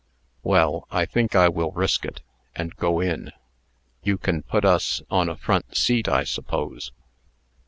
Well, I think I will risk it, and go in. You can put us on a front seat, I suppose?"